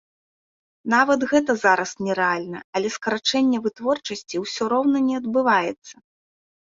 Нават гэта зараз нерэальна, але скарачэнне вытворчасці ўсё роўна не адбываецца!